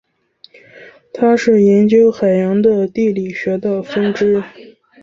它是研究海洋的地理学的分支。